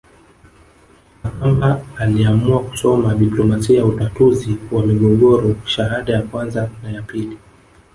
Makamba aliamua kusoma diplomasia ya utatuzi wa migogoro shahada ya kwanza na ya pili